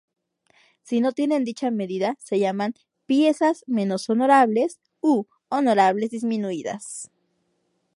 Si no tienen dicha medida, se llaman "piezas menos honorables" u "honorables disminuidas".